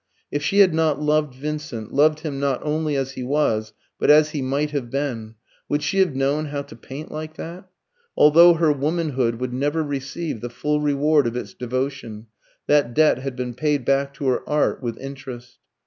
If she had not loved Vincent loved him not only as he was, but as he might have been would she have known how to paint like that? Although her womanhood would never receive the full reward of its devotion, that debt had been paid back to her art with interest.